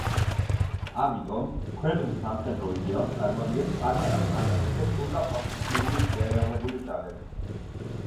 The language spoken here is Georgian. ამიტომ, ქვეყნის სამხედრო იდეალს წარმოადგენს პატარა, მაგრამ ეფექტური და პროფესიული შეიარაღებული ძალები.